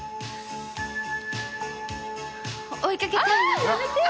追いかけたいの。